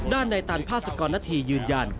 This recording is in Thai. ด้านในตันภาษากรนาธียืนยัน